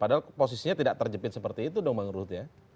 padahal posisinya tidak terjepit seperti itu dong bang ruhut ya